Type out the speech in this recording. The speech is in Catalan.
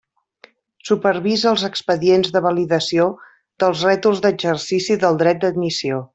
Supervisa els expedients de validació dels rètols d'exercici del dret d'admissió.